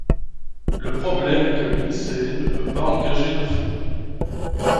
Le problème est que l’INSEE ne veut pas engager de fonds.